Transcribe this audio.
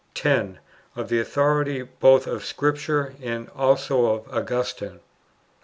10. Of the authority both of Scripture and also of Augustine. 11.